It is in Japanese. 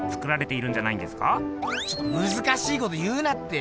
ちょっとむずかしいこと言うなって。